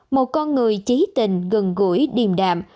một con người chí tình gần gũi điềm đạm